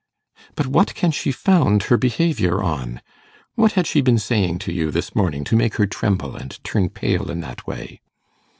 'But what can she found her behaviour on? What had she been saying to you this morning to make her tremble and turn pale in that way?